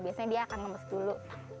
biasanya dia akan ngemes dulu